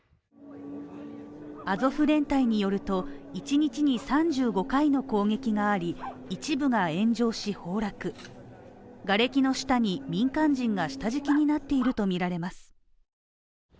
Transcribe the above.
アゾフ連隊によると、一日に３５回の攻撃があり一部が炎上し崩落、がれきの下に民間人が下敷きになっているとみられます。